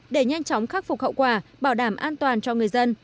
để nhanh chóng khắc phục hậu quả bảo đảm an toàn cho người dân